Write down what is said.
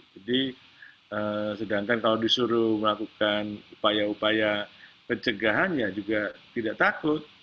jadi sedangkan kalau disuruh melakukan upaya upaya pencegahan ya juga tidak takut